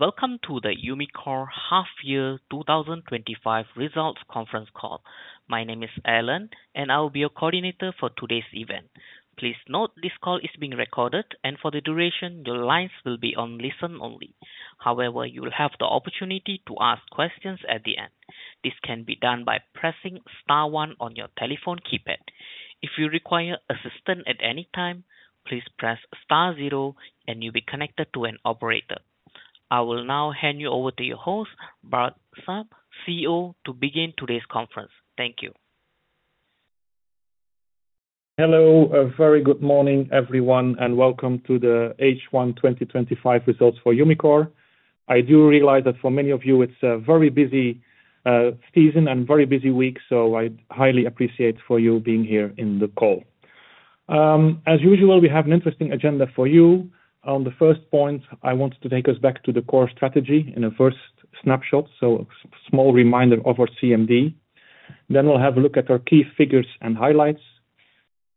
Welcome to the Umicore Half-Year 2025 Results Conference call. My name is Ellen, and I'll be your coordinator for today's event. Please note this call is being recorded, and for the duration, your lines will be on listen only. However, you will have the opportunity to ask questions at the end. This can be done by pressing star one on your telephone keypad. If you require assistance at any time, please press star zero, and you'll be connected to an operator. I will now hand you over to your host, Bart Sap, CEO, to begin today's conference. Thank you. Hello, a very good morning everyone, and welcome to the H1 2025 Results for Umicore. I do realize that for many of you, it's a very busy season and very busy week, so I highly appreciate you being here in the call. As usual, we have an interesting agenda for you. On the first point, I want to take us back to the core strategy in a first snapshot, so a small reminder of our CMD. Then we'll have a look at our key figures and highlights.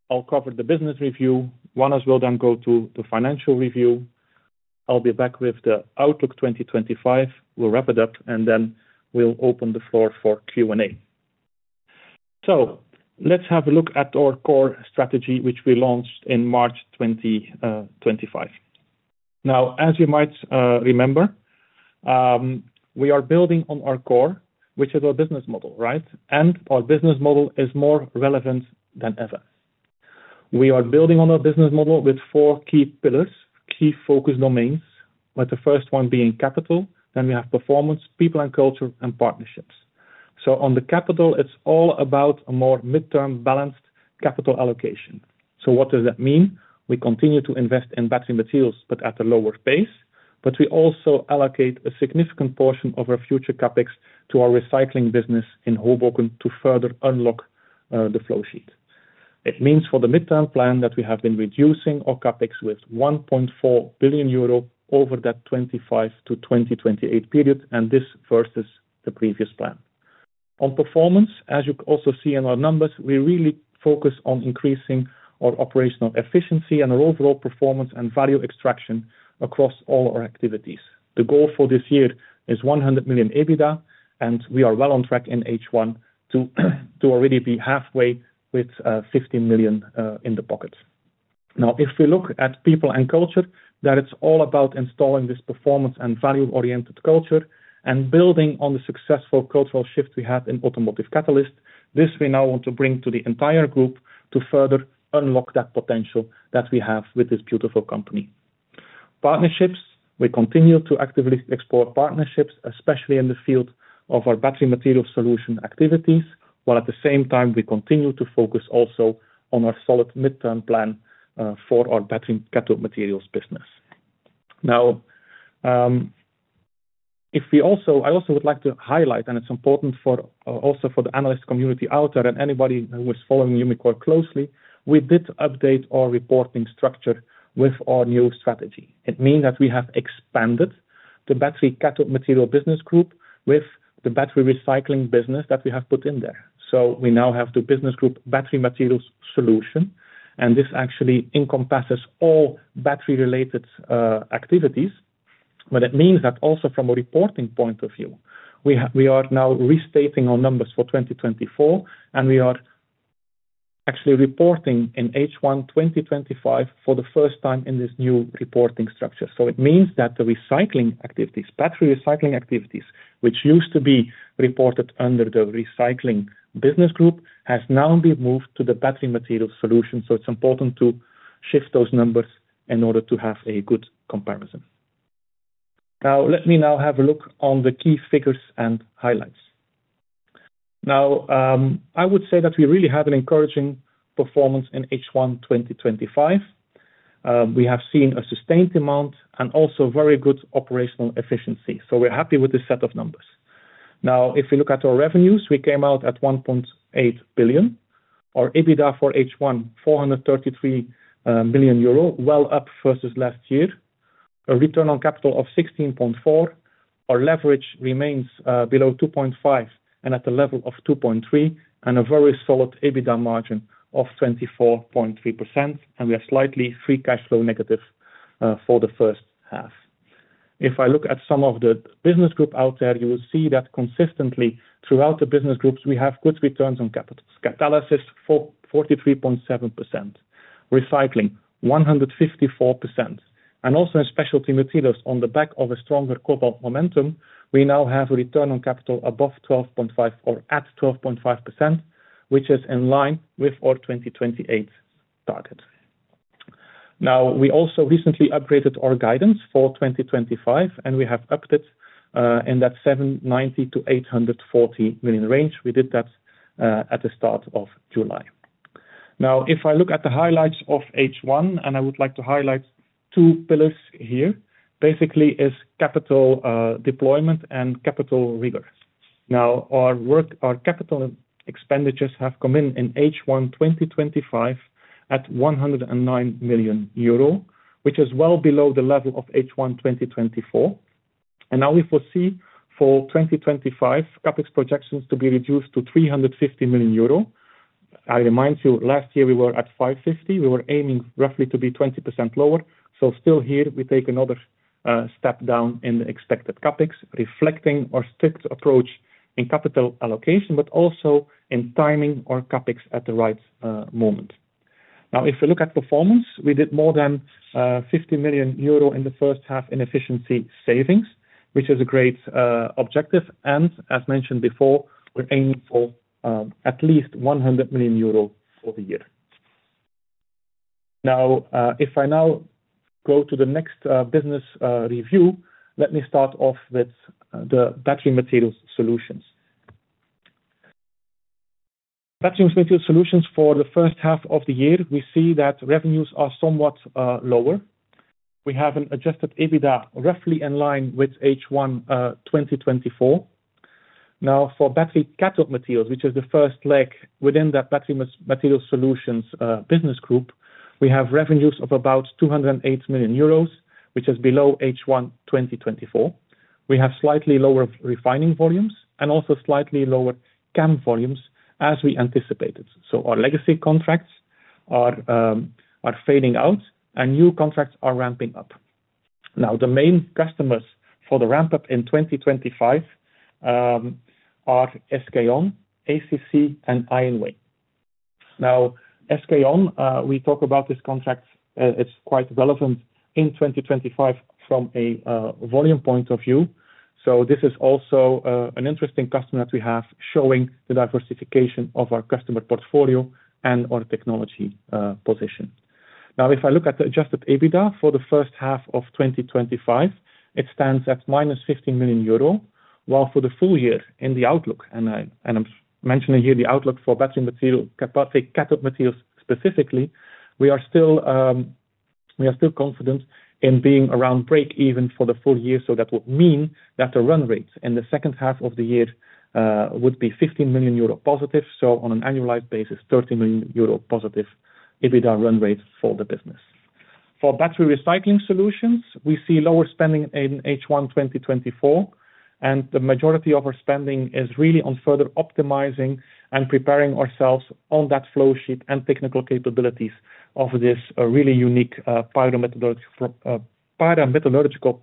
I'll cover the business review. Wannes will then go to the financial review. I'll be back with the Outlook 2025. We'll wrap it up, and then we'll open the floor for Q&A. Let's have a look at our core strategy, which we launched in March 2025. Now, as you might remember, we are building on our core, which is our business model, right? Our business model is more relevant than ever. We are building on our business model with four key pillars, key focus domains, with the first one being capital. Then we have performance, people and culture, and partnerships. On the capital, it's all about a more midterm balanced capital allocation. What does that mean? We continue to invest in battery materials, but at a lower pace. We also allocate a significant portion of our future CapEx to our recycling business in Hoboken to further unlock the flow sheet. It means for the midterm plan that we have been reducing our CapEx by 1.4 billion euro over that 2025 to 2028 period, and this versus the previous plan. On performance, as you also see in our numbers, we really focus on increasing our operational efficiency and our overall performance and value extraction across all our activities. The goal for this year is 100 million EBITDA, and we are well on track in H1 to already be halfway with 50 million in the pocket. If we look at people and culture, it's all about installing this performance and value-oriented culture and building on the successful cultural shift we had in Automotive Catalysts. This we now want to bring to the entire group to further unlock that potential that we have with this beautiful company. Partnerships, we continue to actively explore partnerships, especially in the field of our Battery Materials Solutions activities, while at the same time we continue to focus also on our solid midterm plan for our Battery Catalogue Materials business. Now, I also would like to highlight, and it's important also for the analyst community out there and anybody who is following Umicore closely, we did update our reporting structure with our new strategy. It means that we have expanded the battery materials business group with the battery recycling business that we have put in there. We now have the business group Battery Materials Solutions, and this actually encompasses all battery-related activities. It means that also from a reporting point of view, we are now restating our numbers for 2024, and we are actually reporting in H1 2025 for the first time in this new reporting structure. It means that the recycling activities, battery recycling activities, which used to be reported under the Recycling Business Group, have now been moved to Battery Materials Solutions. It's important to shift those numbers in order to have a good comparison. Let me now have a look at the key figures and highlights. I would say that we really have an encouraging performance in H1 2025. We have seen a sustained amount and also very good operational efficiency. We're happy with this set of numbers. If we look at our revenues, we came out at 1.8 billion. Our EBITDA for H1, 433 million euro, well up versus last year. A return on capital of 16.4%. Our leverage remains below 2.5 and at the level of 2.3, and a very solid EBITDA margin of 24.3%. We are slightly free cash flow negative for the first half. If I look at some of the business groups out there, you will see that consistently throughout the business groups, we have good returns on capital. Catalysis 43.7%, Recycling 154%, and also in Specialty Materials on the back of a stronger cobalt momentum, we now have a return on capital above 12.5% or at 12.5%, which is in line with our 2028 target. We also recently upgraded our guidance for 2025, and we have upped it in that 790 million-840 million range. We did that at the start of July. If I look at the highlights of H1, I would like to highlight two pillars here, basically capital deployment and capital rigor. Our capital expenditures have come in in H1 2025 at 109 million euro, which is well below the level of H1 2024. We foresee for 2025 CapEx projections to be reduced to 350 million euro. I remind you, last year we were at 550 million. We were aiming roughly to be 20% lower. Still here, we take another step down in the expected CapEx, reflecting our strict approach in capital allocation, but also in timing our CapEx at the right moment. If we look at performance, we did more than 50 million euro in the first half in efficiency savings, which is a great objective. As mentioned before, we're aiming for at least 100 million euros for the year. If I now go to the next business review, let me start off with the Battery Materials Solutions. Battery Materials Solutions for the first half of the year, we see that revenues are somewhat lower. We have an adjusted EBITDA roughly in line with H1 2024. For Battery Cathode Materials, which is the first leg within that Battery Materials Solutions business group, we have revenues of about 208 million euros, which is below H1 2024. We have slightly lower refining volumes and also slightly lower CAM volumes as we anticipated. Our legacy contracts are fading out and new contracts are ramping up. The main customers for the ramp-up in 2025 are SK On, ACC, and IonWay. SK On, we talk about this contract, it's quite relevant in 2025 from a volume point of view. This is also an interesting customer that we have, showing the diversification of our customer portfolio and our technology position. If I look at the adjusted EBITDA for the first half of 2025, it stands at minus 15 million euro, while for the full year in the outlook, and I'm mentioning here the outlook for battery material Cathode Materials specifically, we are still confident in being around break even for the full year. That would mean that the run rate in the second half of the year would be 15 million euro positive. On an annualized basis, 30 million euro positive EBITDA run rate for the business. For battery recycling solutions, we see lower spending in H1 2024, and the majority of our spending is really on further optimizing and preparing ourselves on that flow sheet and technical capabilities of this really unique pyrometallurgical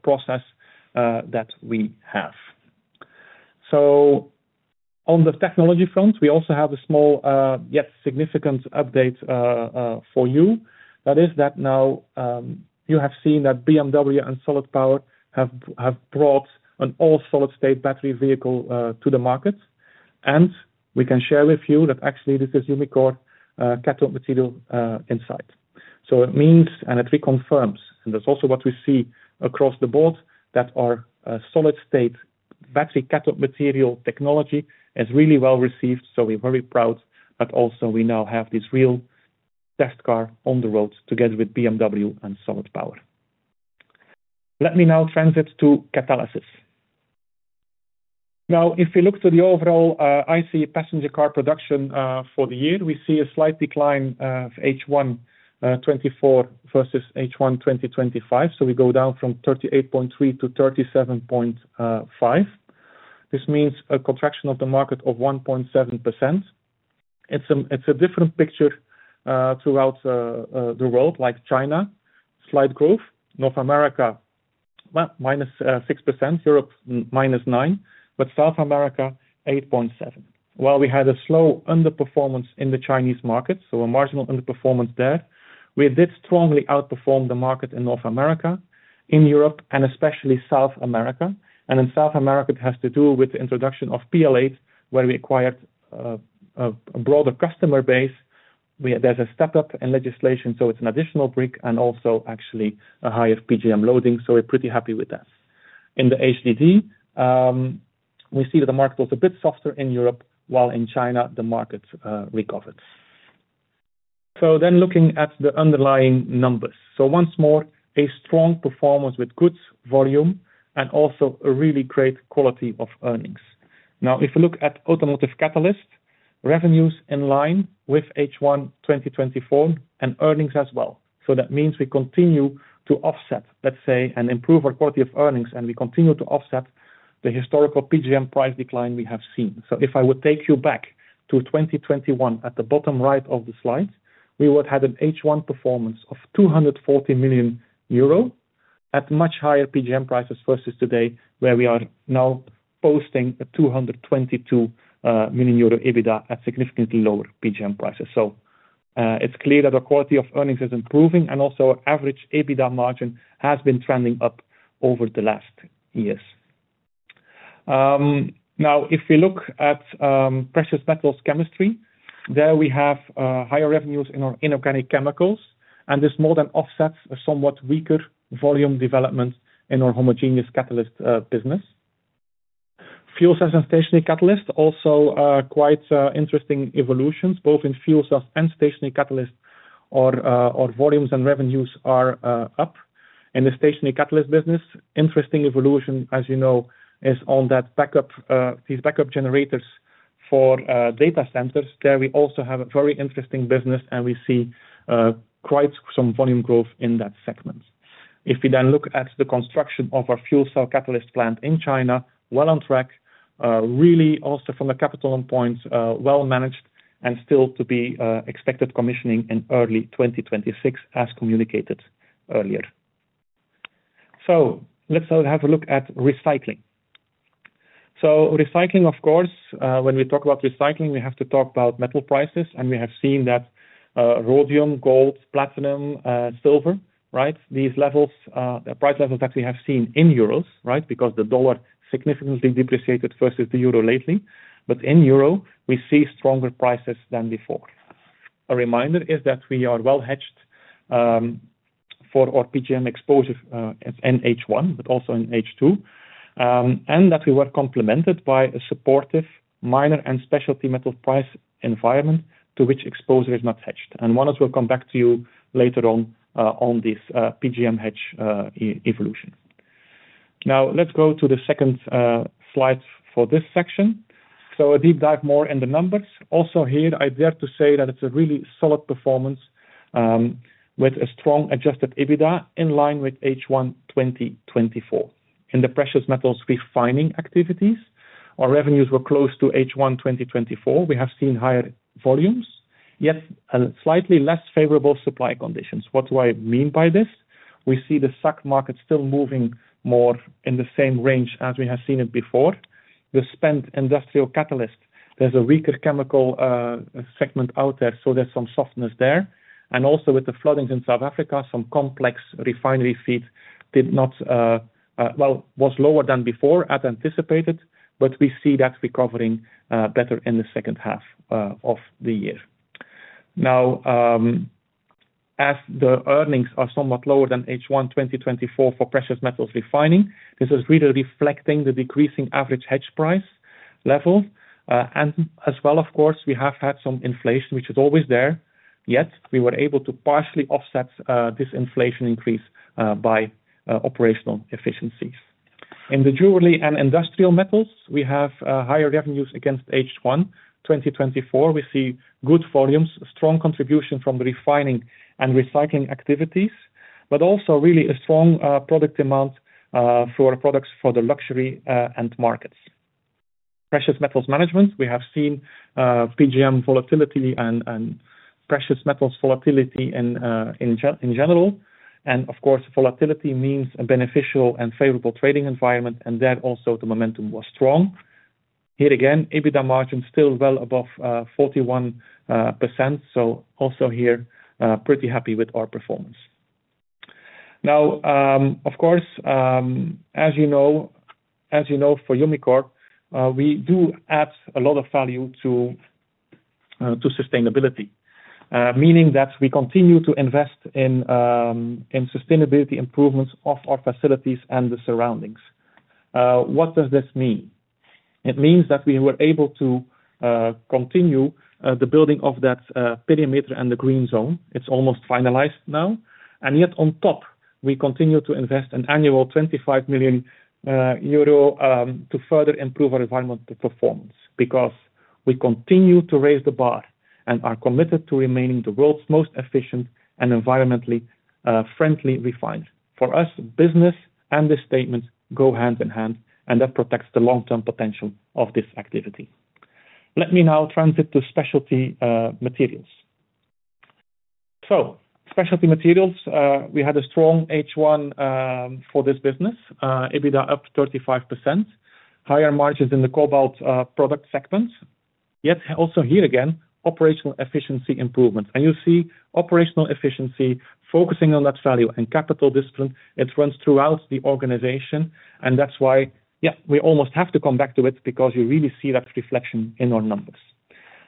process that we have. On the technology front, we also have a small yet significant update for you. Now you have seen that BMW and Solid Power have brought an all-solid-state battery vehicle to the market. We can share with you that actually this is Umicore Cathode Material inside. It means, and it reconfirms, and that's also what we see across the board, that our solid-state battery technology is really well received. We're very proud that also we now have this real test car on the road together with BMW and Solid Power. Let me now transit to Catalysis. If we look to the overall IC passenger car production for the year, we see a slight decline of H1 2024 versus H1 2025. We go down from 38.3-37.5. This means a contraction of the market of 1.7%. It's a different picture throughout the world, like China, slight growth. North America, minus 6%. Europe, minus 9%. South America, 8.7%. We had a slow underperformance in the Chinese market, so a marginal underperformance there. We did strongly outperform the market in North America, in Europe, and especially South America. In South America, it has to do with the introduction of PL8, where we acquired a broader customer base. There's a step-up in legislation, so it's an additional brick and also actually a higher PGM loading. We're pretty happy with that. In the HDD, we see that the market was a bit softer in Europe, while in China, the market recovered. Looking at the underlying numbers, once more, a strong performance with good volume and also a really great quality of earnings. If you look at Automotive Catalysts, revenues in line with H1 2024 and earnings as well. That means we continue to offset, let's say, and improve our quality of earnings, and we continue to offset the historical PGM price decline we have seen. If I would take you back to 2021 at the bottom right of the slide, we would have had an H1 performance of 240 million euro at much higher PGM prices versus today, where we are now posting a 222 million euro EBITDA at significantly lower PGM prices. It's clear that our quality of earnings is improving, and also our average EBITDA margin has been trending up over the last years. If we look at Precious Metal Catalysts, there we have higher revenues in our inorganic chemicals, and this more than offsets a somewhat weaker volume development in our homogeneous catalyst business. Fuel Cell & Stationary Catalysts, also quite interesting evolutions, both in fuel cells and stationary catalysts, our volumes and revenues are up. In the stationary catalyst business, interesting evolution, as you know, is on that backup, these backup generators for data centers. There we also have a very interesting business, and we see quite some volume growth in that segment. If you then look at the construction of our fuel cell catalyst plant in China, it is well on track, really also from a capital point, well managed, and still to be expected commissioning in early 2026, as communicated earlier. Let's have a look at Recycling. Recycling, of course, when we talk about Recycling, we have to talk about metal prices, and we have seen that rhodium, gold, platinum, silver, right? These levels, the price levels that we have seen in euros, right? Because the dollar significantly depreciated versus the euro lately. In euro, we see stronger prices than before. A reminder is that we are well hedged for our PGM exposure in H1, but also in H2, and that we were complemented by a supportive minor and specialty metal price environment to which exposure is not hedged. Wannes will come back to you later on this PGM hedge evolution. Now, let's go to the second slide for this section. A deep dive more in the numbers. Also here, I dare to say that it's a really solid performance with a strong adjusted EBITDA in line with H1 2024. In the precious metals refining activities, our revenues were close to H1 2024. We have seen higher volumes, yet slightly less favorable supply conditions. What do I mean by this? We see the SAC market still moving more in the same range as we have seen it before. The spent industrial catalyst, there's a weaker chemical segment out there, so there's some softness there. Also, with the floodings in South Africa, some complex refinery feed was lower than before as anticipated, but we see that recovering better in the second half of the year. As the earnings are somewhat lower than H1 2024 for precious metals refining, this is really reflecting the decreasing average hedge price level. Of course, we have had some inflation, which is always there, yet we were able to partially offset this inflation increase by operational efficiencies. In the jewelry and industrial metals, we have higher revenues against H1 2024. We see good volumes, strong contribution from the refining and recycling activities, but also really a strong product amount for our products for the luxury and markets. Precious Metals Management, we have seen PGM volatility and precious metals volatility in general. Of course, volatility means a beneficial and favorable trading environment, and there also the momentum was strong. Here again, EBITDA margin still well above 41%. Also here, pretty happy with our performance. Now, as you know, for Umicore, we do add a lot of value to sustainability, meaning that we continue to invest in sustainability improvements of our facilities and the surroundings. What does this mean? It means that we were able to continue the building of that perimeter and the green zone. It's almost finalized now. Yet on top, we continue to invest an annual 25 million euro to further improve our environmental performance because we continue to raise the bar and are committed to remaining the world's most efficient and environmentally friendly refiner. For us, business and this statement go hand in hand, and that protects the long-term potential of this activity. Let me now transit to Specialty Materials. Specialty Materials had a strong H1 for this business, EBITDA up 35%, higher margins in the cobalt product segment. Also here again, operational efficiency improvements. You see Operational Efficiency focusing on that value and capital discipline. It runs throughout the organization. That's why we almost have to come back to it because you really see that reflection in our numbers.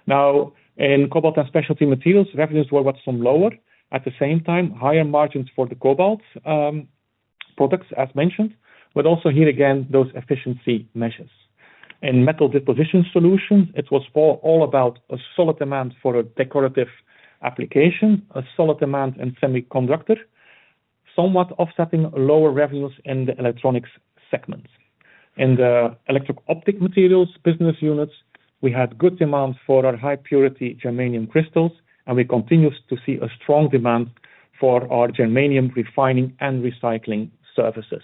Now, in Cobalt & Specialty Materials, revenues were whatsoever lower. At the same time, higher margins for the cobalt products, as mentioned, but also here again, those efficiency measures. In Metal Deposition Solutions, it was all about a solid demand for a decorative application, a solid demand in semiconductor, somewhat offsetting lower revenues in the electronics segments. In the Electro-Optic Materials business units, we had good demand for our High Purity Germanium Crystals, and we continue to see a strong demand for our germanium refining and recycling services.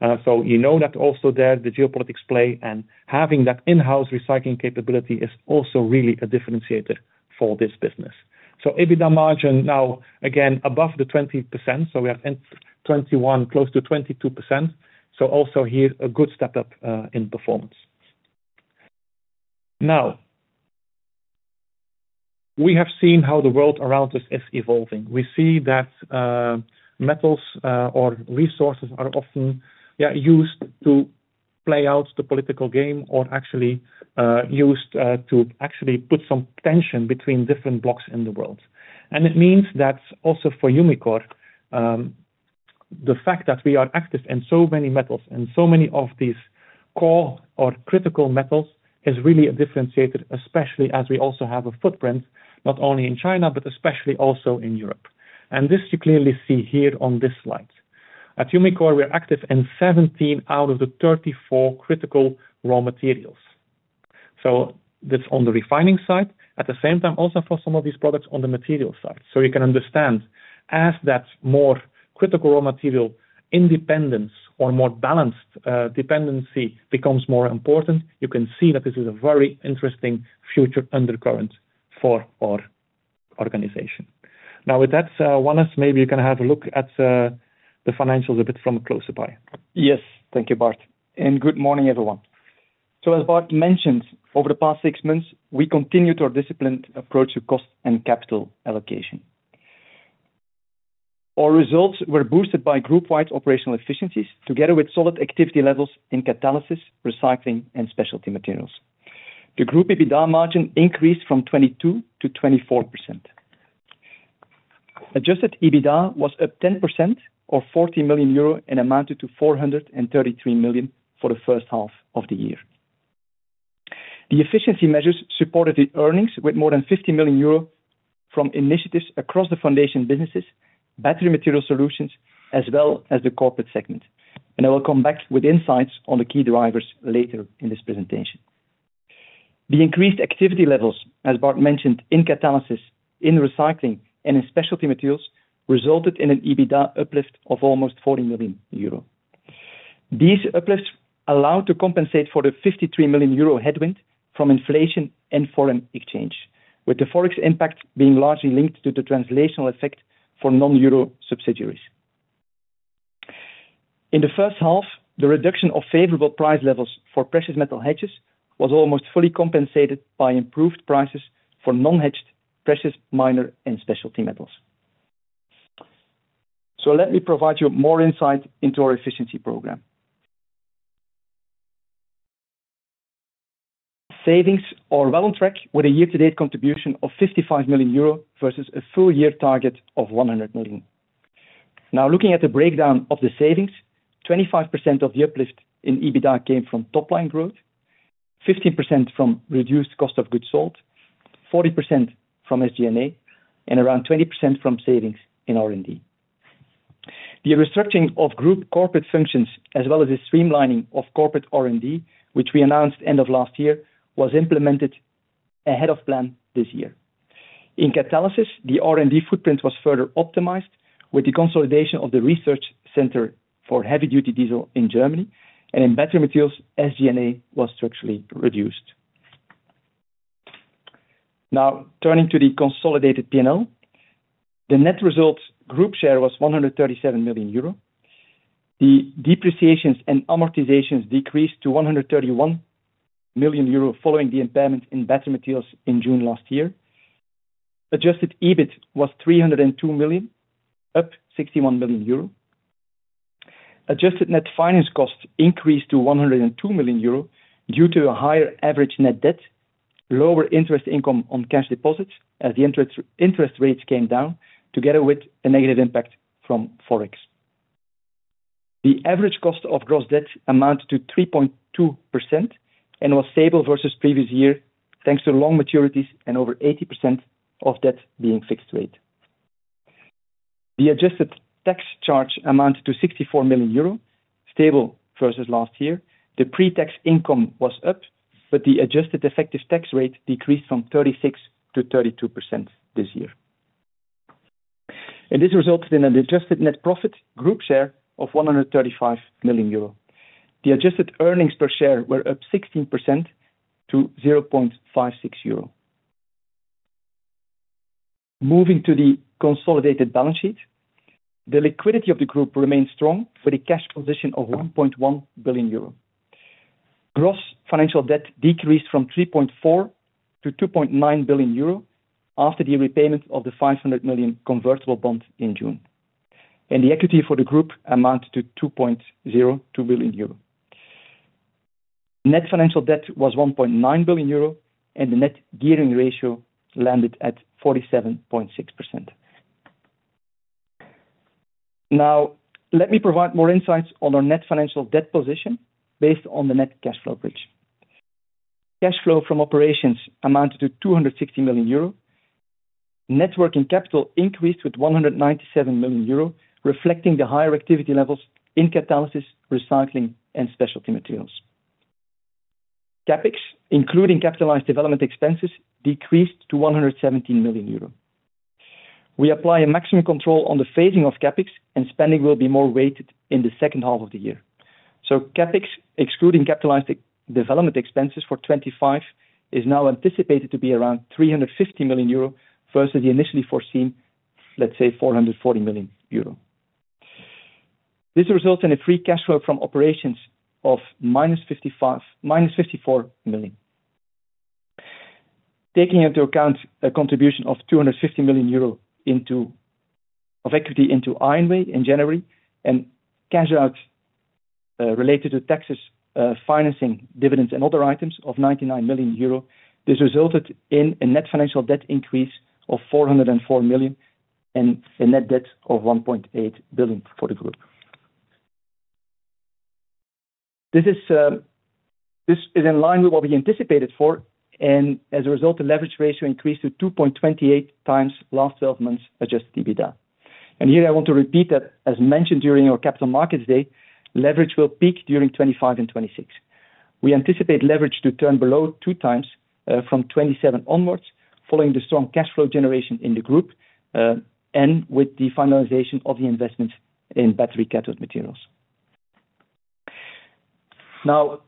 You know that also there the geopolitics play and having that in-house recycling capability is also really a differentiator for this business. EBITDA margin now again above the 20%. We are at 21, close to 22%. Also here a good step up in performance. We have seen how the world around us is evolving. We see that metals or resources are often used to play out the political game or actually used to actually put some tension between different blocks in the world. It means that also for Umicore, the fact that we are active in so many metals and so many of these core or critical metals is really a differentiator, especially as we also have a footprint not only in China, but especially also in Europe. You clearly see this here on this slide. At Umicore, we are active in 17 out of the 34 critical raw materials. That's on the refining side. At the same time, also for some of these products on the material side. You can understand as that more critical raw material independence or more balanced dependency becomes more important, you can see that this is a very interesting future undercurrent for our organization. With that, Wannes, maybe you can have a look at the financials a bit from a closer eye. Yes, thank you, Bart. Good morning, everyone. As Bart mentioned, over the past six months, we continued our disciplined approach to cost and capital allocation. Our results were boosted by group-wide operational efficiencies, together with solid activity levels in Catalysis, Recycling, and Specialty Materials. The group EBITDA margin increased from 22%-24%. Adjusted EBITDA was up 10% or 40 million euro and amounted to 433 million for the first half of the year. The efficiency measures supported the earnings with more than 50 million euro from initiatives across the foundation businesses, Battery Materials Solutions, as well as the corporate segment. I will come back with insights on the key drivers later in this presentation. The increased activity levels, as Bart mentioned, in Catalysis, in Recycling, and in Specialty Materials resulted in an EBITDA uplift of almost 40 million euro. These uplifts allowed us to compensate for the 53 million euro headwind from inflation and foreign exchange, with the forex impact being largely linked to the translational effect for non-euro subsidiaries. In the first half, the reduction of favorable price levels for precious metal hedges was almost fully compensated by improved prices for non-hedged precious minor and specialty metals. Let me provide you more insight into our efficiency program. Savings are well on track with a year-to-date contribution of 55 million euro versus a full year target of €100 million. Now, looking at the breakdown of the savings, 25% of the uplift in EBITDA came from top-line growth, 15% from reduced cost of goods sold, 40% from SG&A, and around 20% from savings in R&D. The restructuring of group corporate functions, as well as the streamlining of corporate R&D, which we announced end of last year, was implemented ahead of plan this year. In Catalysis, the R&D footprint was further optimized with the consolidation of the research center for heavy-duty diesel in Germany, and in Battery Materials, SG&A was structurally reduced. Now, turning to the consolidated P&L, the net results group share was 137 million euro. The depreciations and amortizations decreased to 131 million euro following the impairment in Battery Materials in June last year. Adjusted EBITDA was EURE302 million, up 61 million euro. Adjusted net finance costs increased to 102 million euro due to a higher average net debt, lower interest income on cash deposits as the interest rates came down, together with a negative impact from forex. The average cost of gross debt amounted to 3.2% and was stable versus previous year, thanks to long maturities and over 80% of debt being fixed rate. The adjusted tax charge amounted to 64 million euro, stable versus last year. The pre-tax income was up, but the adjusted effective tax rate decreased from 36%-32% this year. This resulted in an adjusted net profit group share of 135 million euro. The adjusted earnings per share were up 16% to 0.56 euro. Moving to the consolidated balance sheet, the liquidity of the group remains strong with the cash position of 1.1 billion euro. Gross financial debt decreased from 3.4 billion-2.9 billion euro after the repayment of the 500 million convertible bond in June. The equity for the group amounted to 2.02 billion euro. Net financial debt was 1.9 billion euro, and the net gearing ratio landed at 47.6%. Now, let me provide more insights on our net financial debt position based on the net cash flow bridge. Cash flow from operations amounted to 260 million euro. Net working capital increased with 197 million euro, reflecting the higher activity levels in Catalysis, Recycling, and Specialty Materials. CapEx, including capitalized development expenses, decreased to 117 million euros. We apply a maximum control on the phasing of CapEx, and spending will be more weighted in the second half of the year. CapEx, excluding capitalized development expenses for 2025, is now anticipated to be around 350 million euro versus the initially foreseen, let's say, 440 million euro. This results in a free cash flow from operations of minus 54 million. Taking into account a contribution of 250 million euro of equity into IonWay in January and cash out related to taxes, financing, dividends, and other items of 99 million euro, this resulted in a net financial debt increase of 404 million and a net debt of 1.8 billion for the group. This is in line with what we anticipated for, and as a result, the leverage ratio increased to 2.28 times last 12 months adjusted EBITDA. I want to repeat that, as mentioned during our Capital Markets Day, leverage will peak during 2025 and 2026. We anticipate leverage to turn below 2 times from 2027 onwards following the strong cash flow generation in the group and with the finalization of the investments in Battery Materials. Now,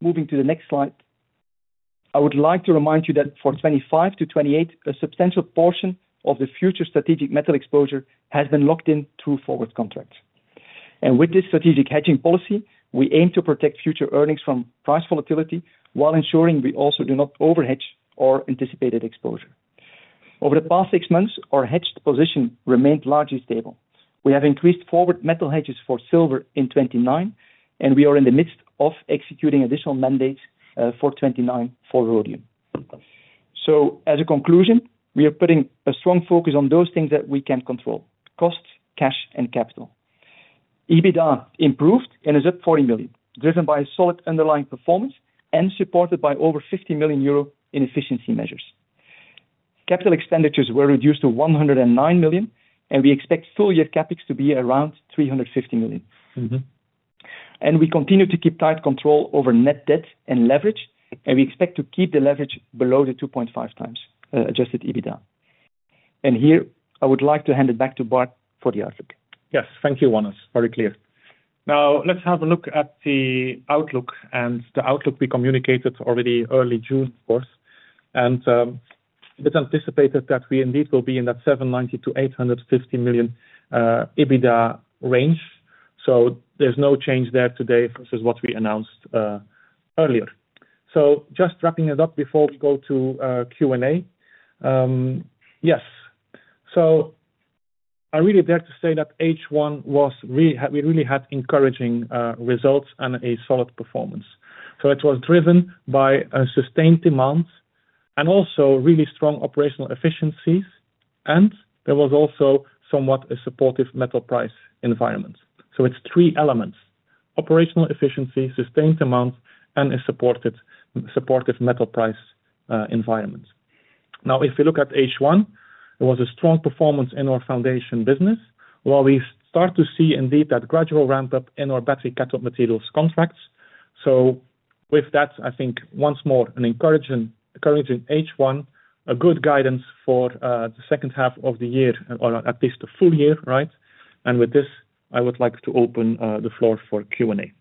moving to the next slide, I would like to remind you that for 2025 to 2028, a substantial portion of the future strategic metal exposure has been locked in through forward contracts. With this strategic hedging policy, we aim to protect future earnings from price volatility while ensuring we also do not overhedge our anticipated exposure. Over the past six months, our hedged position remained largely stable. We have increased forward metal hedges for silver in 2029, and we are in the midst of executing additional mandates for 2029 for rhodium. As a conclusion, we are putting a strong focus on those things that we can control: cost, cash, and capital. EBITDA improved and is up 40 million, driven by a solid underlying performance and supported by over 50 million euro in efficiency measures. Capital expenditures were reduced to 109 million, and we expect full-year capex to be around 350 million. We continue to keep tight control over net debt and leverage, and we expect to keep the leverage below the 2.5 times adjusted EBITDA. Here, I would like to hand it back to Bart for the outlook. Yes, thank you, Wannes. Very clear. Now, let's have a look at the outlook, and the outlook we communicated already early June, of course. It's anticipated that we indeed will be in that 790 million-850 million EBITDA range. There's no change there today versus what we announced earlier. Just wrapping it up before we go to Q&A. I really dare to say that H1 was really, we really had encouraging results and a solid performance. It was driven by sustained demand and also really strong operational efficiency, and there was also somewhat a supportive metal price environment. It's three elements: operational efficiency, sustained demand, and a supportive metal price environment. If you look at H1, there was a strong performance in our foundation business, while we start to see indeed that gradual ramp-up in our Battery Catalogue materials contracts. With that, I think once more an encouraging H1, a good guidance for the second half of the year, or at least a full year, right? With this, I would like to open the floor for Q&A.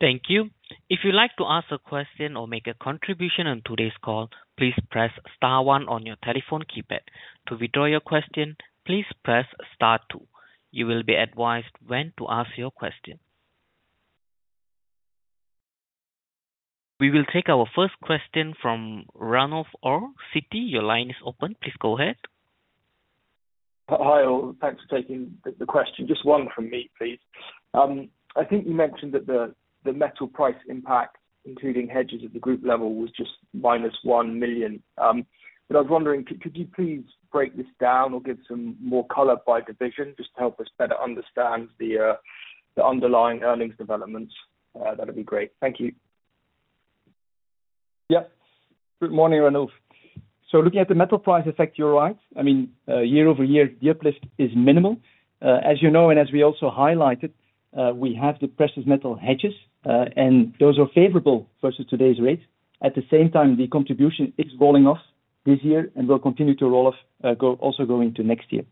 Thank you. If you'd like to ask a question or make a contribution on today's call, please press star one on your telephone keypad. To withdraw your question, please press star two. You will be advised when to ask your question. We will take our first question from Ranulf Orr at Citigroup. Your line is open. Please go ahead. Hi, all. Thanks for taking the question. Just one from me, please. I think you mentioned that the metal price impact, including hedges at the group level, was just minus 1 million. I was wondering, could you please break this down or give some more color by division just to help us better understand the underlying earnings developments? That would be great. Thank you. Yeah. Good morning, Ranulf. Looking at the metal price effect, you're right. I mean, year over year, the uplift is minimal. As you know, and as we also highlighted, we have the precious metal hedges, and those are favorable versus today's rates. At the same time, the contribution is rolling off this year and will continue to roll off, also going into next year.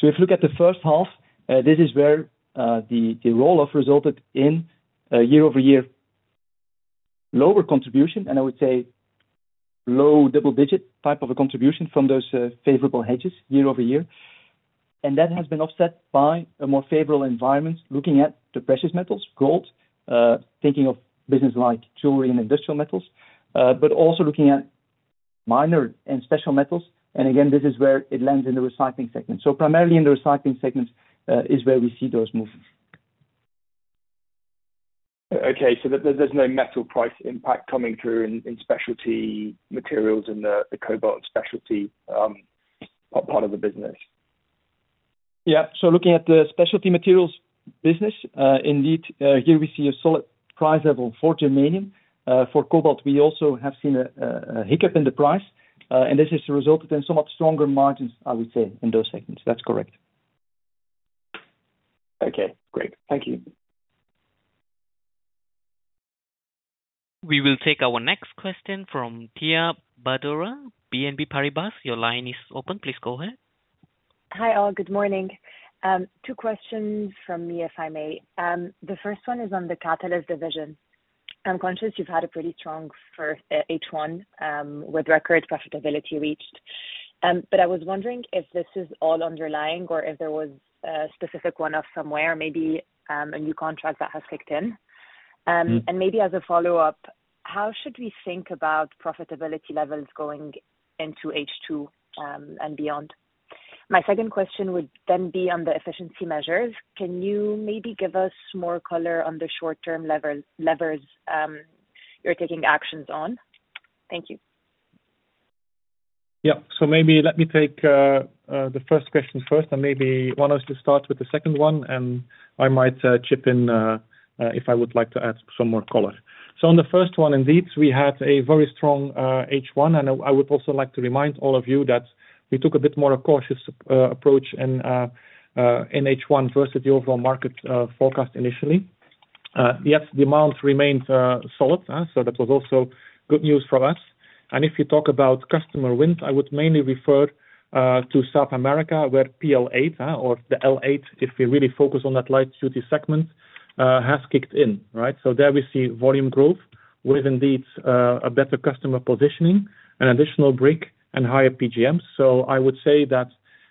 If you look at the first half, this is where the roll-off resulted in a year-over-year lower contribution, and I would say low double-digit type of a contribution from those favorable hedges year over year. That has been offset by a more favorable environment looking at the precious metals, gold, thinking of businesses like jewelry and industrial metals, but also looking at minor and special metals. This is where it lands in the Recycling segment. Primarily in the Recycling segment is where we see those movements. Okay, so there's no metal price impact coming through in Specialty Materials in the Cobalt & Specialty Materials part of the business. Yeah, looking at the Specialty Materials business, indeed, here we see a solid price level for germanium. For cobalt, we also have seen a hiccup in the price, and this has resulted in somewhat stronger margins, I would say, in those segments. That's correct. Okay, great. Thank you. We will take our next question from Tia Badora, BNP Paribas. Your line is open. Please go ahead. Hi, all. Good morning. Two questions from me, if I may. The first one is on the catalyst division. I'm conscious you've had a pretty strong first H1 with record profitability reached. I was wondering if this is all underlying or if there was a specific one-off somewhere, maybe a new contract that has kicked in. As a follow-up, how should we think about profitability levels going into H2 and beyond? My second question would then be on the efficiency measures. Can you maybe give us more color on the short-term levers you're taking actions on? Thank you. Maybe let me take the first question first, and maybe Wannes will start with the second one, and I might chip in if I would like to add some more color. On the first one, indeed, we had a very strong H1, and I would also like to remind all of you that we took a bit more of a cautious approach in H1 versus the overall market forecast initially. Yet the amount remained solid, so that was also good news for us. If you talk about customer wind, I would mainly refer to South America, where PL8 or the L8, if we really focus on that light duty segment, has kicked in. There we see volume growth with indeed a better customer positioning, an additional brick, and higher PGMs. I would say that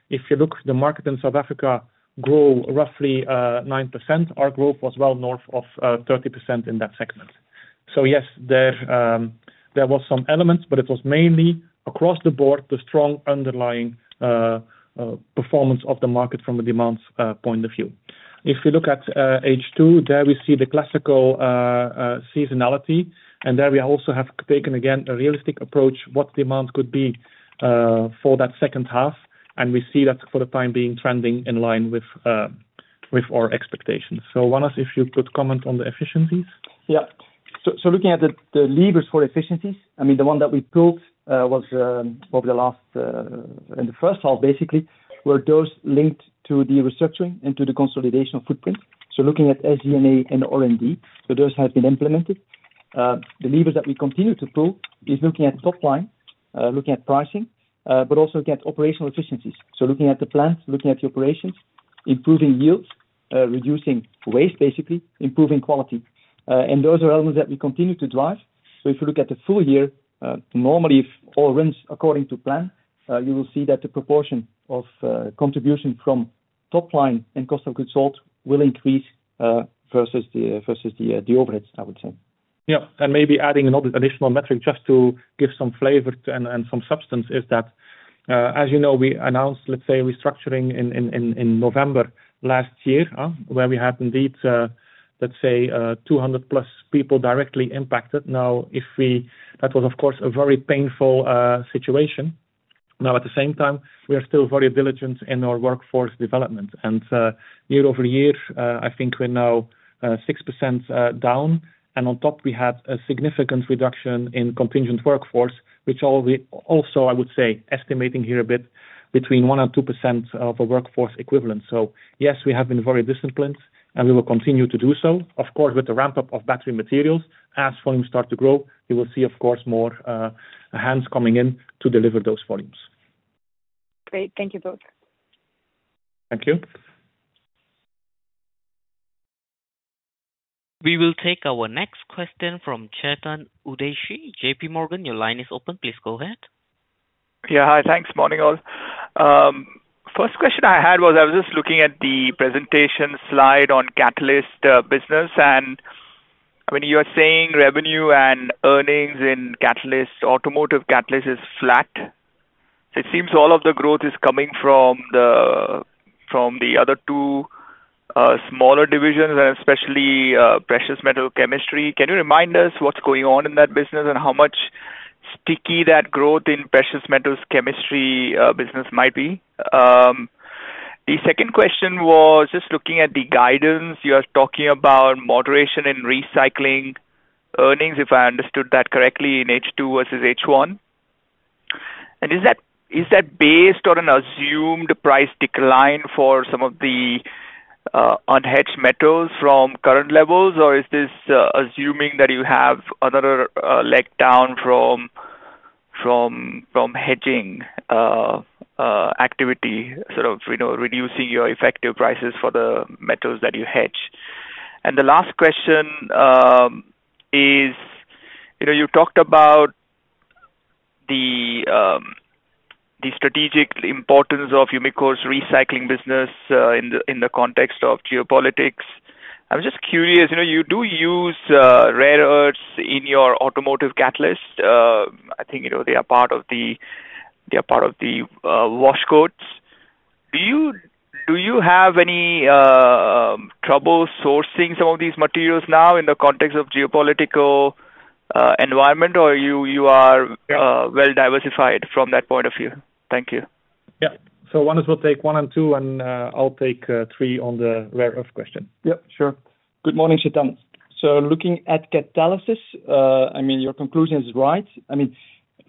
if you look at the market in South Africa growing roughly 9%, our growth was well north of 30% in that segment. Yes, there was some element, but it was mainly across the board the strong underlying performance of the market from a demand point of view. If you look at H2, there we see the classical seasonality, and there we also have taken again a realistic approach to what demand could be for that second half, and we see that for the time being trending in line with our expectations. Wannes, if you could comment on the efficiencies? Yeah, so looking at the levers for efficiencies, the one that we pulled over the last in the first half basically were those linked to the restructuring and to the consolidation of footprint. Looking at SG&A and R&D, those have been implemented. The levers that we continue to pull are looking at top line, looking at pricing, also looking at operational efficiencies. Looking at the plant, looking at the operations, improving yields, reducing waste basically, improving quality. Those are elements that we continue to drive. If you look at the full year, normally if all runs according to plan, you will see that the proportion of contribution from top line and cost of goods sold will increase versus the overheads, I would say. Yeah, maybe adding an additional metric just to give some flavor and some substance is that, as you know, we announced, let's say, restructuring in November last year, where we had indeed, let's say, 200 plus people directly impacted. That was, of course, a very painful situation. At the same time, we are still very diligent in our workforce development. Year over year, I think we're now 6% down. On top, we had a significant reduction in contingent workforce, which also, I would say, estimating here a bit, between 1% and 2% of a workforce equivalent. Yes, we have been very disciplined, and we will continue to do so. Of course, with the ramp-up of Battery Materials, as volumes start to grow, you will see, of course, more hands coming in to deliver those volumes. Great, thank you both. Thank you. We will take our next question from Chetan Udeshi. JPMorgan, your line is open. Please go ahead. Yeah, hi, thanks. Morning all. First question I had was I was just looking at the presentation slide on catalyst business, and I mean, you are saying revenue and earnings in Catalysis, Automotive Catalysts is flat. It seems all of the growth is coming from the other two smaller divisions, and especially Precious Metal Catalysts. Can you remind us what's going on in that business and how much sticky that growth in Precious Metal Catalysts business might be? The second question was just looking at the guidance. You are talking about moderation in Recycling earnings, if I understood that correctly, in H2 versus H1. Is that based on an assumed price decline for some of the unhedged metals from current levels, or is this assuming that you have another leg down from hedging activity, sort of reducing your effective prices for the metals that you hedge? The last question is, you know, you talked about the strategic importance of Umicore's Recycling business in the context of geopolitics. I'm just curious, you know, you do use rare earths in your Automotive Catalysts. I think you know they are part of the washcoats. Do you have any trouble sourcing some of these materials now in the context of geopolitical environment, or are you well diversified from that point of view? Thank you. Yeah, Wannes will take one and two, and I'll take three on the rare earth question. Yeah, sure. Good morning, Chetan. Looking at Catalysis, your conclusion is right.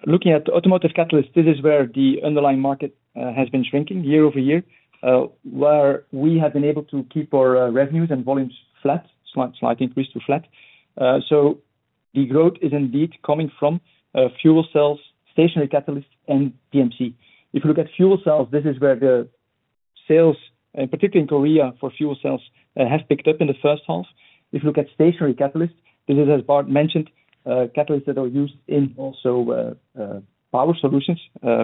Looking at Automotive Catalysts, this is where the underlying market has been shrinking year over year, where we have been able to keep our revenues and volumes flat, slight increase to flat. The growth is indeed coming from Fuel Cell & Stationary Catalysts and Precious Metal Catalysts. If you look at fuel cells, this is where the sales, particularly in Korea for fuel cells, have picked up in the first half. If you look at Stationary Catalysts, this is, as Bart mentioned, catalysts that are used in also power solutions,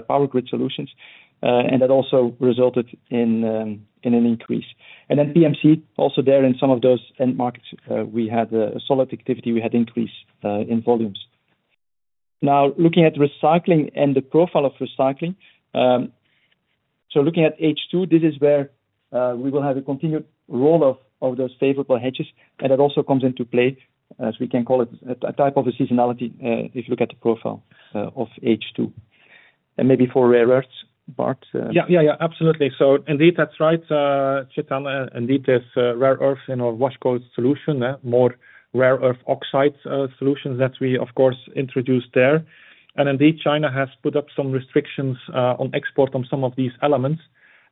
power grid solutions, and that also resulted in an increase. Then Precious Metal Catalysts, also there in some of those end markets, we had a solid activity. We had increase in volumes. Now, looking at Recycling and the profile of Recycling, looking at H2, this is where we will have a continued roll-off of those favorable hedges, and that also comes into play, as we can call it, a type of a seasonality if you look at the profile of H2. Maybe for rare earths, Bart? Absolutely. Indeed, that's right, Chetan. Indeed, there's rare earth in our washcoat solution, more rare earth oxide solutions that we, of course, introduce there. Indeed, China has put up some restrictions on export on some of these elements.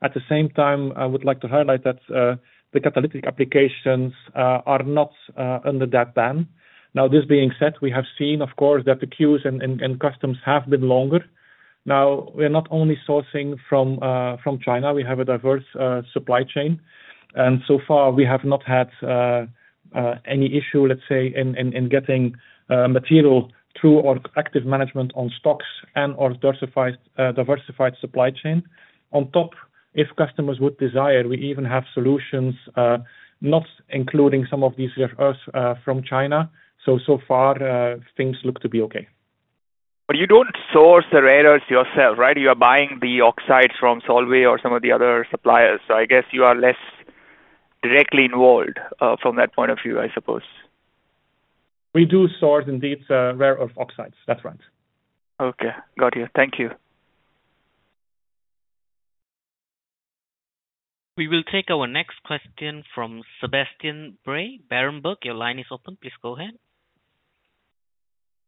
At the same time, I would like to highlight that the catalytic applications are not under that ban. This being said, we have seen, of course, that the queues and customs have been longer. We're not only sourcing from China. We have a diverse supply chain. So far, we have not had any issue, let's say, in getting material through our active management on stocks and our diversified supply chain. On top, if customers would desire, we even have solutions not including some of these rare earths from China. So far, things look to be okay. You don't source the rare earths yourself, right? You're buying the oxide from Solvay or some of the other suppliers. I guess you're less directly involved from that point of view, I suppose. We do source, indeed, rare earth oxides. That's right. Okay, got you. Thank you. We will take our next question from Sebastian Bray, Berenberg. Your line is open. Please go ahead.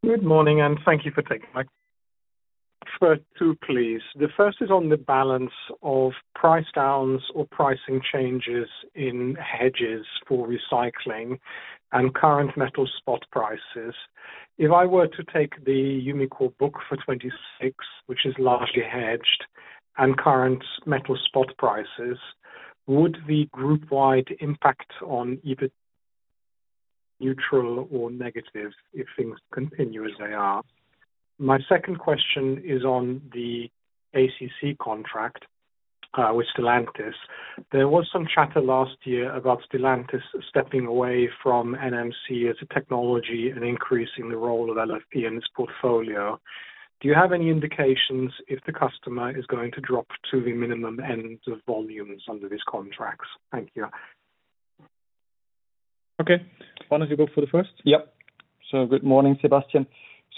Good morning, and thank you for taking my question. First, two, please. The first is on the balance of price downs or pricing changes in hedges for Recycling and current metal spot prices. If I were to take the Umicore book for 2026, which is largely hedged, and current metal spot prices, would the group-wide impact on EBITDA be neutral or negative if things continue as they are? My second question is on the ACC contract with Stellantis. There was some chatter last year about Stellantis stepping away from NMC as a technology and increasing the role of LFP in its portfolio. Do you have any indications if the customer is going to drop to the minimum ends of volumes under these contracts? Thank you. Okay. Wannes, you go for the first? Yeah. Good morning, Sebastian.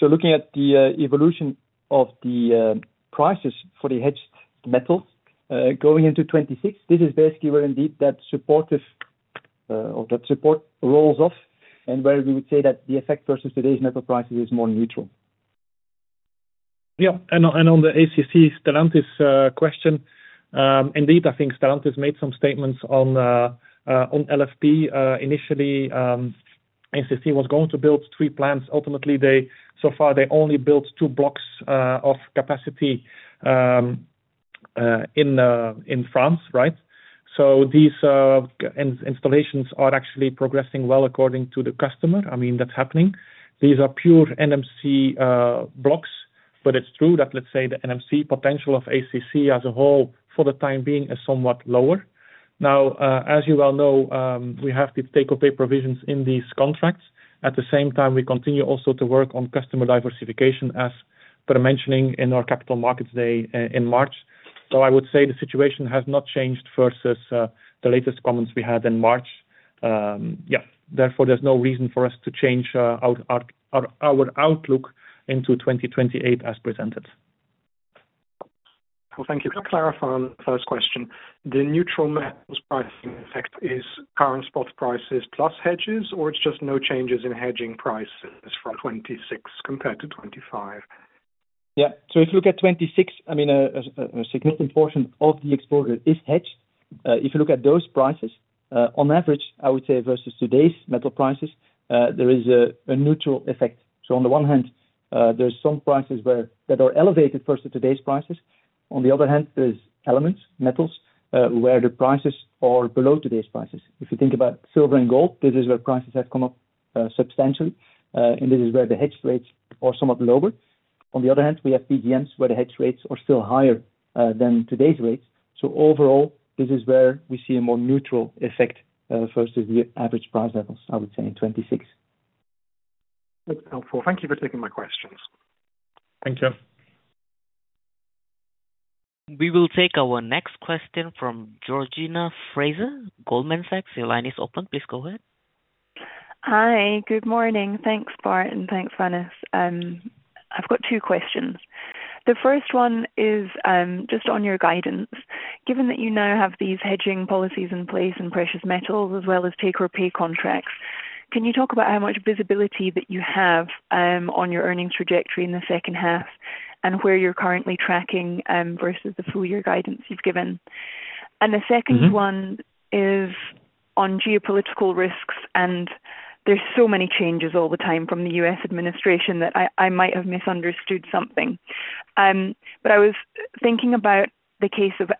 Looking at the evolution of the prices for the hedged metals, going into 2026, this is basically where indeed that supportive or that support rolls off and where we would say that the effect versus today's metal prices is more neutral. On the ACC Stellantis question, indeed, I think Stellantis made some statements on LFP. Initially, ACC was going to build three plants. Ultimately, so far, they only built two blocks of capacity in France, right? These installations are actually progressing well according to the customer. I mean, that's happening. These are pure NMC blocks, but it's true that, let's say, the NMC potential of ACC as a whole for the time being is somewhat lower. Now, as you well know, we have the takeaway provisions in these contracts. At the same time, we continue also to work on customer diversification, as per mentioning in our capital markets day in March. I would say the situation has not changed versus the latest comments we had in March. Therefore, there's no reason for us to change our outlook into 2028 as presented. Thank you. To clarify on the first question, the neutral metals pricing effect is current spot prices plus hedges, or it's just no changes in hedging prices from 2026 compared to 2025? Yeah, if you look at 2026, a significant portion of the exposure is hedged. If you look at those prices, on average, I would say versus today's metal prices, there is a neutral effect. On the one hand, there are some prices that are elevated versus today's prices. On the other hand, there are elements, metals, where the prices are below today's prices. If you think about silver and gold, this is where prices have come up substantially, and this is where the hedge rates are somewhat lower. On the other hand, we have PGMs where the hedge rates are still higher than today's rates. Overall, this is where we see a more neutral effect versus the average price levels, I would say, in 2026. That's helpful. Thank you for taking my questions. Thank you. We will take our next question from Georgina Fraser, Goldman Sachs. Your line is open. Please go ahead. Hi, good morning. Thanks, Bart, and thanks, Wannes. I've got two questions. The first one is just on your guidance. Given that you now have these hedging policies in place in precious metals as well as take or pay contracts, can you talk about how much visibility that you have on your earnings trajectory in the second half and where you're currently tracking versus the full-year guidance you've given? The second one is on geopolitical risks, and there are so many changes all the time from the U.S. administration that I might have misunderstood something. I was thinking about the case of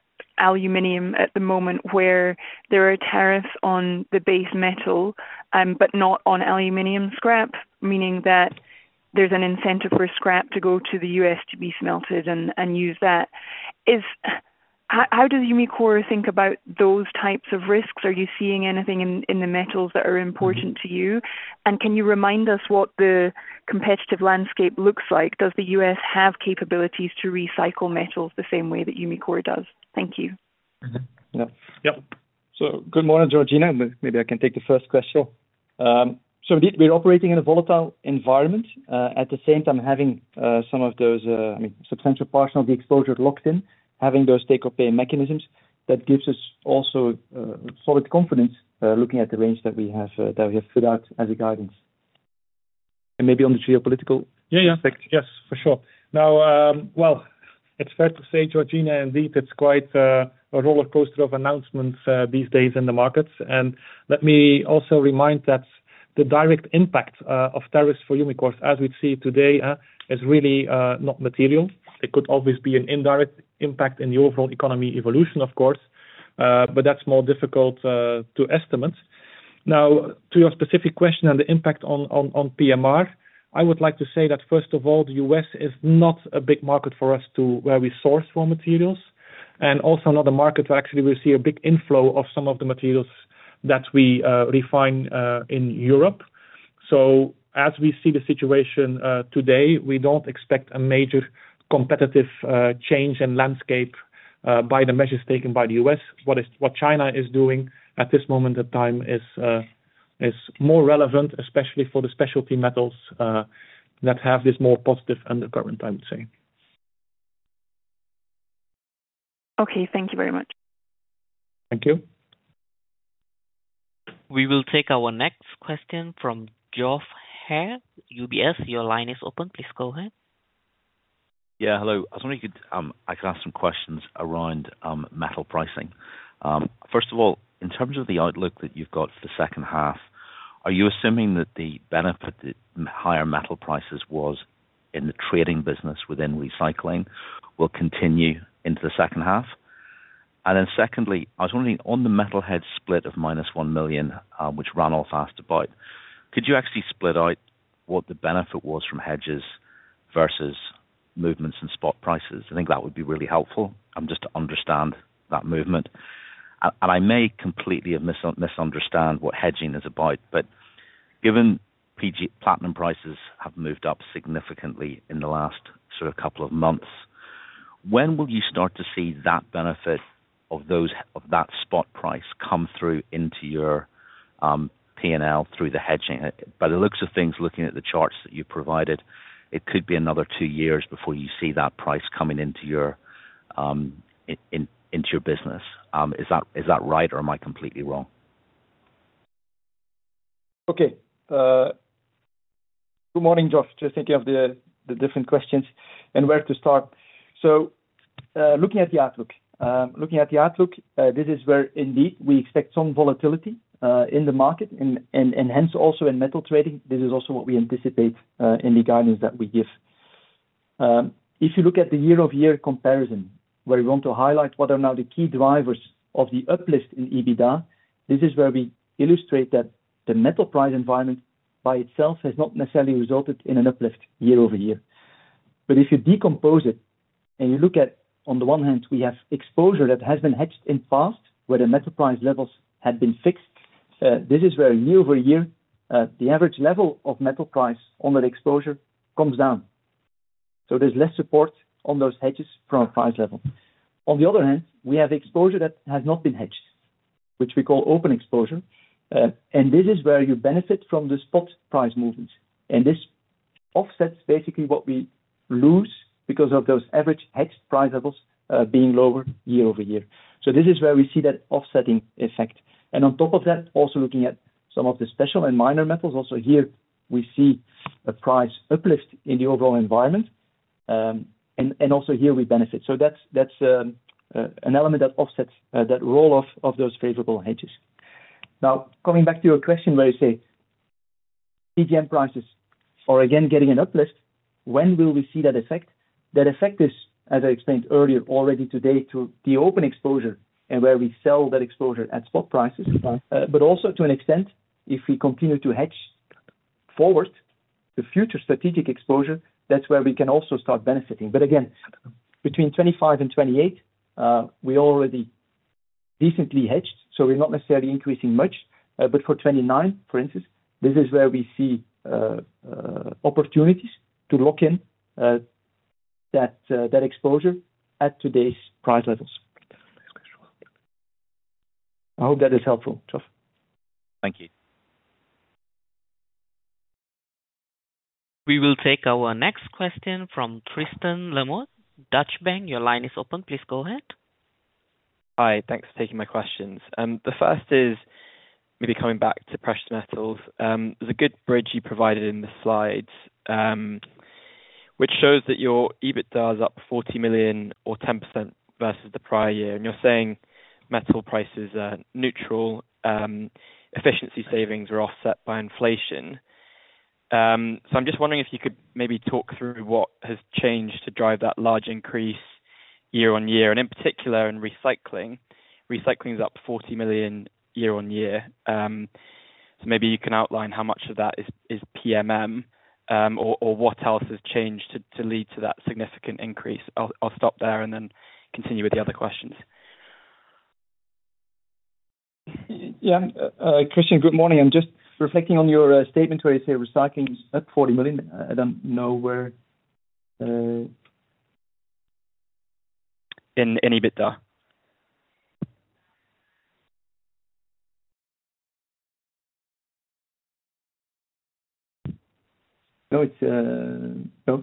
aluminum at the moment where there are tariffs on the base metal, but not on aluminum scrap, meaning that there's an incentive for scrap to go to the U.S. to be smelted and use that. How does Umicore think about those types of risks? Are you seeing anything in the metals that are important to you? Can you remind us what the competitive landscape looks like? Does the U.S. have capabilities to recycle metals the same way that Umicore does? Thank you. Yeah. Good morning, Georgina. Maybe I can take the first question. Sure. Indeed, we're operating in a volatile environment. At the same time, having some of those, I mean, substantial parts of the exposure locked in, having those take or pay mechanisms, that gives us also solid confidence looking at the range that we have put out as a guidance. Maybe on the geopolitical aspect. Yes, for sure. It's fair to say, Georgina, indeed, it's quite a roller coaster of announcements these days in the markets. Let me also remind that the direct impact of tariffs for Umicore, as we'd see today, is really not material. It could always be an indirect impact in the overall economy evolution, of course, but that's more difficult to estimate. To your specific question and the impact on PMR, I would like to say that, first of all, the U.S. is not a big market for us to where we source raw materials. It's also not a market where actually we see a big inflow of some of the materials that we refine in Europe. As we see the situation today, we don't expect a major competitive change in landscape by the measures taken by the U.S. What China is doing at this moment in time is more relevant, especially for the specialty metals that have this more positive undercurrent, I would say. Okay, thank you very much. Thank you. We will take our next question from Geoff Haire, UBS. Your line is open. Please go ahead. Yeah, hello. I was wondering if I could ask some questions around metal pricing. First of all, in terms of the outlook that you've got for the second half, are you assuming that the benefit that higher metal prices was in the trading business within Recycling will continue into the second half? Secondly, I was wondering on the metal head split of minus $1 million, which Ranulf asked about, could you actually split out what the benefit was from hedges versus movements in spot prices? I think that would be really helpful. I'm just trying to understand that movement. I may completely misunderstand what hedging is about, but given platinum prices have moved up significantly in the last sort of couple of months, when will you start to see that benefit of that spot price come through into your P&L through the hedging? By the looks of things, looking at the charts that you provided, it could be another two years before you see that price coming into your business. Is that right or am I completely wrong? Okay. Good morning, Geoff. Just thinking of the different questions and where to start. Looking at the outlook, this is where indeed we expect some volatility in the market and hence also in metal trading. This is also what we anticipate in the guidance that we give. If you look at the year-over-year comparison where we want to highlight what are now the key drivers of the uplift in EBITDA, this is where we illustrate that the metal price environment by itself has not necessarily resulted in an uplift year over year. If you decompose it and you look at, on the one hand, we have exposure that has been hedged in the past where the metal price levels had been fixed, this is where year over year, the average level of metal price under the exposure comes down. There's less support on those hedges from a price level. On the other hand, we have exposure that has not been hedged, which we call open exposure. This is where you benefit from the spot price movements. This offsets basically what we lose because of those average hedged price levels being lower year over year. This is where we see that offsetting effect. On top of that, also looking at some of the special and minor metals, also here we see a price uplift in the overall environment. Also here we benefit. That's an element that offsets that roll-off of those favorable hedges. Coming back to your question where you say PGM prices are again getting an uplift, when will we see that effect? That effect is, as I explained earlier, already today to the open exposure and where we sell that exposure at spot prices. Also to an extent, if we continue to hedge forward to future strategic exposure, that's where we can also start benefiting. Again, between 2025 and 2028, we already decently hedged, so we're not necessarily increasing much. For 2029, for instance, this is where we see opportunities to lock in that exposure at today's price levels. I hope that is helpful, Geoff. Thank you. We will take our next question from Tristan Lamotte, Deutsche Bank. Your line is open. Please go ahead. Hi, thanks for taking my questions. The first is maybe coming back to precious metals. There's a good bridge you provided in the slides, which shows that your EBITDA is up $40 million or 10% versus the prior year. You're saying metal prices are neutral. Efficiency savings are offset by inflation. I'm just wondering if you could maybe talk through what has changed to drive that large increase year on year. In particular, in Recycling, Recycling is up $40 million year on year. Maybe you can outline how much of that is PMM or what else has changed to lead to that significant increase. I'll stop there and then continue with the other questions. Yeah, Tristan, good morning. I'm just reflecting on your statement where you say Recycling is at $40 million. I don't know where. In EBITDA. No,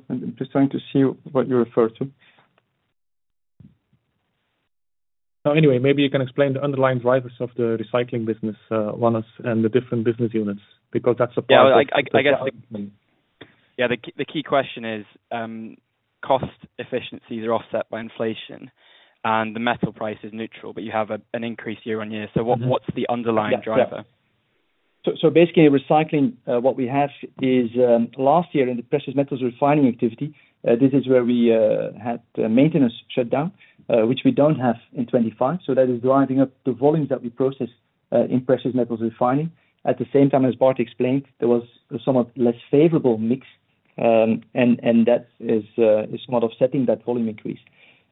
I'm just trying to see what you refer to. Maybe you can explain the underlying drivers of the Recycling business, Wannes, and the different business units because that's a part of the. I guess the key question is cost efficiencies are offset by inflation, and the metal price is neutral, but you have an increase year on year. What's the underlying driver? Basically, in Recycling, what we have is last year in the Precious Metals Refining activity, this is where we had maintenance shut down, which we don't have in 2025. That is driving up the volumes that we process in Precious Metals Refining. At the same time, as Bart explained, there was a somewhat less favorable mix, and that is somewhat offsetting that volume increase.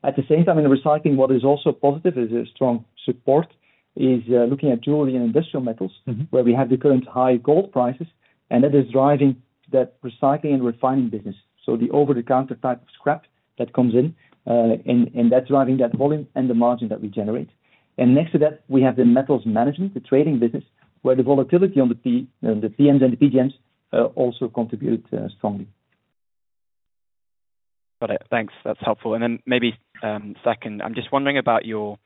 At the same time, in Recycling, what is also positive is a strong support is looking at jewelry and industrial metals where we have the current high gold prices, and that is driving that Recycling and Refining business. The over-the-counter type of scrap that comes in, that's driving that volume and the margin that we generate. Next to that, we have the Metals Management, the trading business, where the volatility on the PMs and the PGMs also contributed strongly. Got it. Thanks. That's helpful. I'm just wondering about your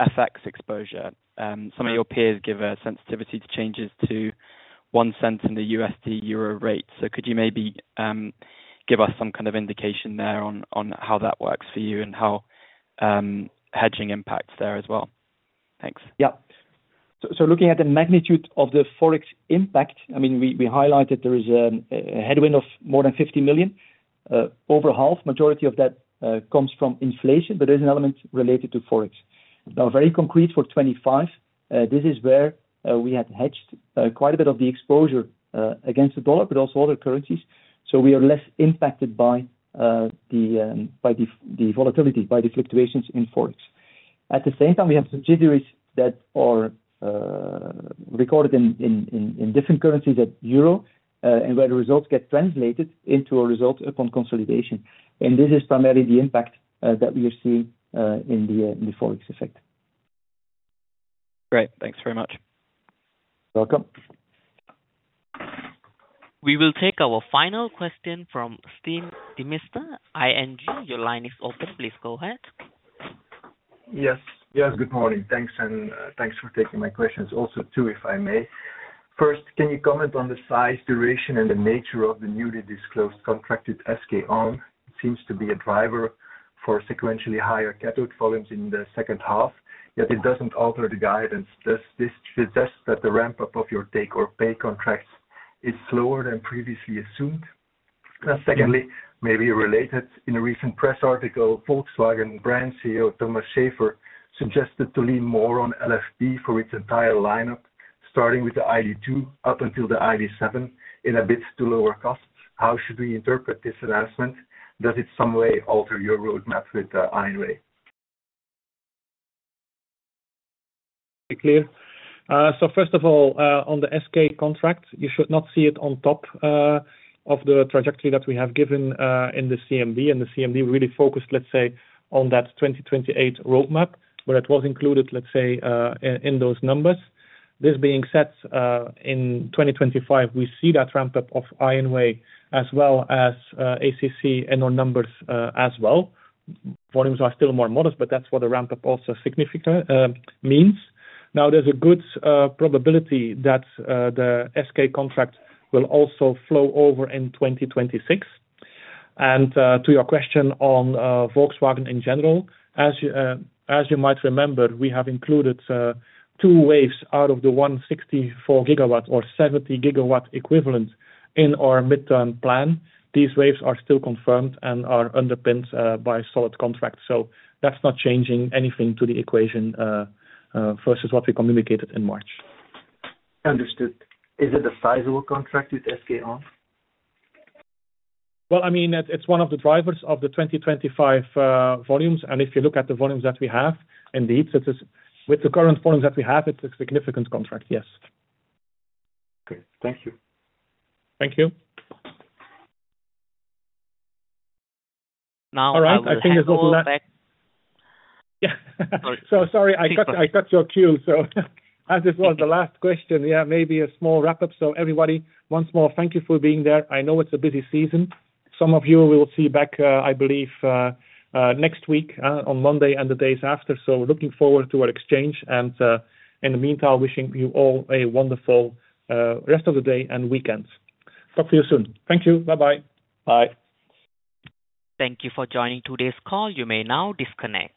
FX exposure. Some of your peers give a sensitivity to changes to $0.01 in the USD/EUR rate. Could you maybe give us some kind of indication there on how that works for you and how hedging impacts there as well? Thanks. Yeah. Looking at the magnitude of the forex impact, we highlighted there is a headwind of more than 50 million. Over half, the majority of that comes from inflation, but there is an element related to forex. Now, very concrete for 2025, this is where we had hedged quite a bit of the exposure against the dollar, but also other currencies. We are less impacted by the volatility, by the fluctuations in forex. At the same time, we have subsidiaries that are recorded in different currencies, at euro, and where the results get translated into a result upon consolidation. This is primarily the impact that we are seeing in the forex effect. Great, thanks very much. Welcome. We will take our final question from Steen Demeester, ING. Your line is open. Please go ahead. Yes. Yes, good morning. Thanks, and thanks for taking my questions. Also, two, if I may. First, can you comment on the size, duration, and the nature of the newly disclosed contract with SK On? It seems to be a driver for sequentially higher catalytic volumes in the second half, yet it doesn't alter the guidance. Does this suggest that the ramp-up of your take or pay contracts is slower than previously assumed? Secondly, maybe related, in a recent press article, Volkswagen brand CEO Thomas Schaefer suggested to lean more on LFP for its entire lineup, starting with the ID.2 up until the ID.7 in a bid to lower costs. How should we interpret this announcement? Does it in some way alter your roadmap with IonWay? Okay, clear. First of all, on the SK contract, you should not see it on top of the trajectory that we have given in the Cobalt & Specialty Materials business. The Cobalt & Specialty Materials business really focused, let's say, on that 2028 roadmap, where it was included, let's say, in those numbers. This being said, in 2025, we see that ramp-up of IonWay as well as ACC and our numbers as well. Volumes are still more modest, but that's what the ramp-up also significantly means. There is a good probability that the SK contract will also flow over in 2026. To your question on Volkswagen in general, as you might remember, we have included two waves out of the 164 GW or 70 GW equivalent in our midterm plan. These waves are still confirmed and are underpinned by solid contracts. That's not changing anything to the equation versus what we communicated in March. Understood. Is it a sizable contract with SK On? It is one of the drivers of the 2025 volumes. If you look at the volumes that we have, indeed, it is with the current volumes that we have, it's a significant contract, yes. Great. Thank you. Thank you. Now, we'll take the next question. All right, I think this was the last. Yeah. Sorry, I cut your cue. As this was the last question, maybe a small wrap-up. Everybody, once more, thank you for being there. I know it's a busy season. Some of you, we will see you back, I believe, next week on Monday and the days after. We're looking forward to our exchange. In the meantime, wishing you all a wonderful rest of the day and weekend. Talk to you soon. Thank you. Bye-bye. Bye. Thank you for joining today's call. You may now disconnect.